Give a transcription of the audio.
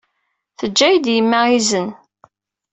Teǧǧa-iyi-d yemma izen.